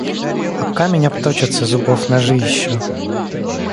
Об камень обточатся зубов ножи еще!